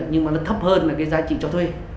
nhưng mà nó thấp hơn là cái giá trị cho thuê